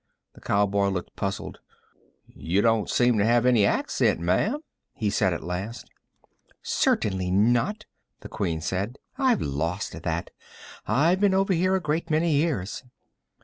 The cowboy looked puzzled. "You don't seem to have any accent, ma'am," he said at last. "Certainly not," the Queen said. "I've lost that; I've been over here a great many years."